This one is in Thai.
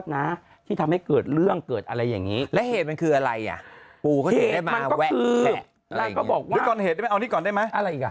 เหตุมันก็คือด้วยกรณ์เหตุเอาอันนี้ก่อนได้ไหม